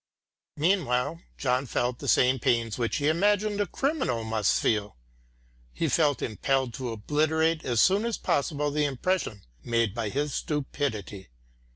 Meanwhile John felt the same pains which he imagined a criminal must feel. He felt impelled to obliterate as soon as possible the impression made by his stupidity.